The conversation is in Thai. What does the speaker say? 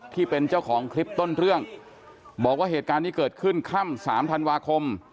ที่เป็นเจ้าของคลิปต้นเรื่องบอกว่าเหตุการณ์นี้เกิดขึ้นค่ำสามธันวาคม